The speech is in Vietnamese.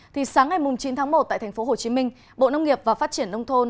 thì sáng ngày chín tháng một tại thành phố hồ chí minh bộ nông nghiệp và phát triển nông thôn